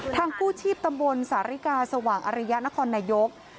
กู้ชีพตำบลสาริกาสว่างอริยะนครนายก